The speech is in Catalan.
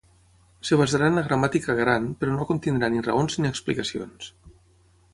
Es basarà en la gramàtica ‘gran’, però no contindrà ni raons ni explicacions.